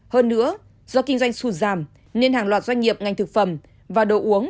hơn nữa do kinh doanh sụt giảm nên hàng loạt doanh nghiệp ngành thực phẩm và đồ uống